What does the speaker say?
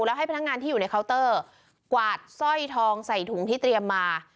แล้วให้พนักงานที่อยู่ในเคาน์เตอร์กวาดสร้อยทองใส่ถุงที่เตรียมมา